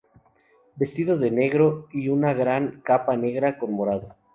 Vestido de negro y una gran capa negra con morado.